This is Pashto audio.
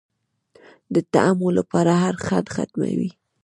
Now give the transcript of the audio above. د طمعو لپاره هر خنډ ختموي